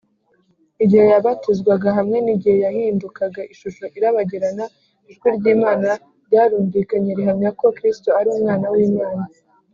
igihe yabatizwaga hamwe n’igihe yahindukaga ishusho irabagirana, ijwi ry’imana ryarumvikanye rihamya ko kristo ari umwana w’imana